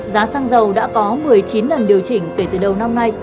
giá xăng dầu đã có một mươi chín lần điều chỉnh kể từ đầu năm nay